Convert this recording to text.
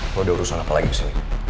lo udah urusan apa lagi kesini